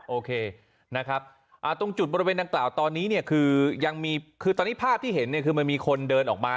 โอเคนะครับตรงจุดบริเวณดังกล่าวตอนนี้เนี่ยคือยังมีคือตอนนี้ภาพที่เห็นเนี่ยคือมันมีคนเดินออกมา